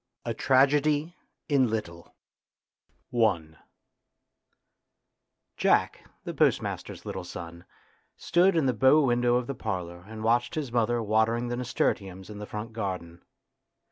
A TRAGEDY IN LITTLE JACK, the postmaster's little son, stood in the bow window of the parlour and watched his mother watering the nasturtiums in the front garden.